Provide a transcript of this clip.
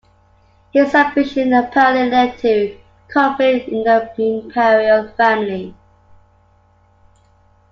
His ambition apparently led to conflict in the imperial family.